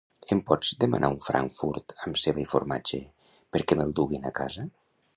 Em pots demanar un frànkfurt amb ceba i formatge perquè me'l duguin a casa?